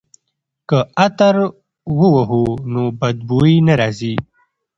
که عطر ووهو نو بد بوی نه راځي.